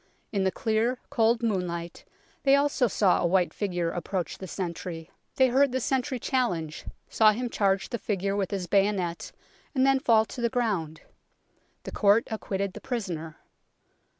In the clear, cold moonlight they also saw a white figure approach the sentry ; 60 UNKNOWN LONDON they heard the sentry challenge, saw him charge the figure with his bayonet and then fall to the ground. The court acquitted the prisoner.